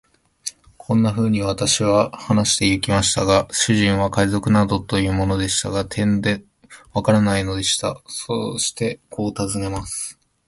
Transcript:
こんなふうに私は話してゆきましたが、主人は海賊などというものが、てんでわからないのでした。そしてこう尋ねます。